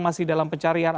masih dalam pencarian